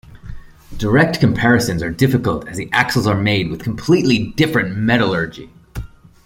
Direct comparisons are difficult as the axles are made with completely different metallurgy.